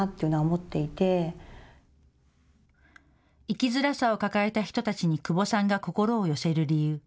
生きづらさを抱えた人たちに窪さんが心を寄せる理由。